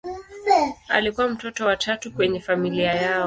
Alikuwa mtoto wa tatu kwenye familia yao.